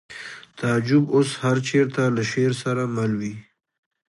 تعجب اوس هر چېرته له شعر سره مل وي